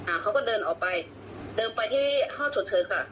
เขาก็เดินออกไปเดินไปที่ห้องฉุกเฉินค่ะ